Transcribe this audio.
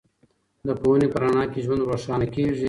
د پوهنې په رڼا کې ژوند روښانه کېږي.